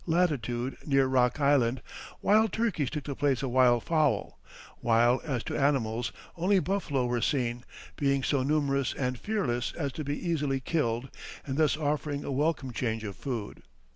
latitude (near Rock Island), wild turkeys took the place of wild fowl; while as to animals, only buffalo were seen, being so numerous and fearless as to be easily killed, and thus offering a welcome change of food.